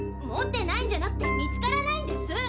持ってないんじゃなくて見つからないんです。